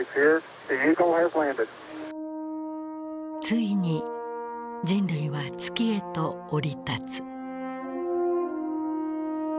ついに人類は月へと降り立つ。